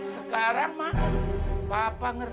sekarang ma papa ngerti